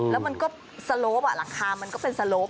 แล้วมันก็สโลปหลังคามันก็เป็นสโลป